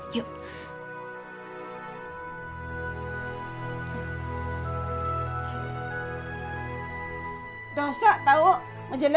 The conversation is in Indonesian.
dede emang gak akan pergi kemana mana